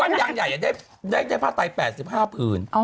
วันยังใหญ่อยากได้ผ้าไตร๘๕อื่น